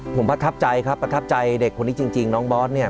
ผมประทับใจครับประทับใจเด็กคนนี้จริงน้องบอสเนี่ย